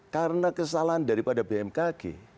karena kesalahan daripada bmkg